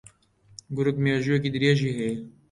گورگ مێژوویییەکی درێژی ھەیە